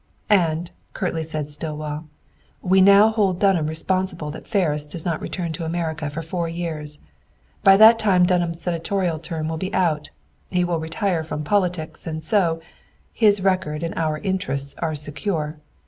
"And," curtly said Stillwell, "we now hold Dunham responsible that Ferris does not return to America for four years. By that time Dunham's senatorial term will be out. He will retire from politics, and so, his record and our interests are secure!